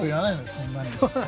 そんなに。